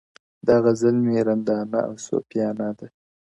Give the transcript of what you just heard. • دا غزل مي رندانه او صوفیانه دی,